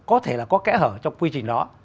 có thể là có kẽ hở trong quy trình đó